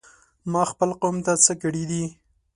ما خپل قوم ته څه کړي دي؟!